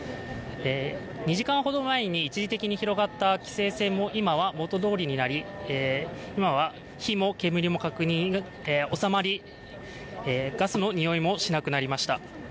２時間ほど前に一時的に広がった規制線も今は元どおりになり、今は火も煙も収まり、ガスの臭いもしなくなりました。